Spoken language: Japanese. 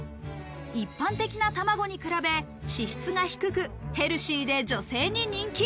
一般的な卵に比べ脂質が低く、ヘルシーで女性に人気。